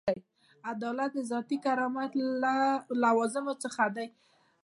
عدالت د ذاتي کرامت له لوازمو څخه دی.